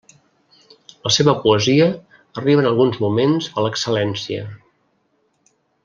La seva poesia arriba en alguns moments a l'excel·lència.